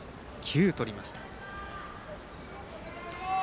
９とりました。